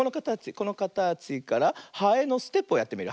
このかたちからハエのステップをやってみる。